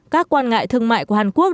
các quan ngại thương mại của hàn quốc